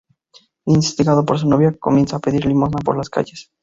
Instigado por su novia, comienza a pedir limosna por las calles.